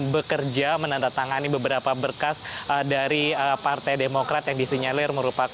bekerja menandatangani beberapa berkas e dari partai demokrat yang di senyalir merupakan